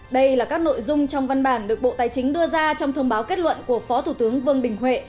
đây là các nội dung trong văn bản được bộ tài chính đưa ra trong thông báo kết luận của phó thủ tướng vương đình huệ